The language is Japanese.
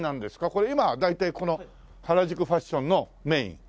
これ今大体この原宿ファッションのメイン？